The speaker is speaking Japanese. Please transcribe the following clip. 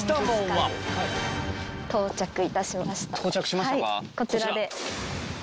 はいこちらで。